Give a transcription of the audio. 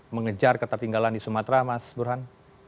mengejar ketertinggalan di sumatera mas burhan